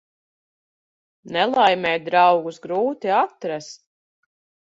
Nelaimē draugus grūti atrast.